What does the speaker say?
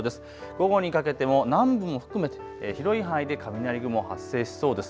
午後にかけても南部も含めて広い範囲で雷雲、発生しそうです。